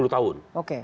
satu sepuluh tahun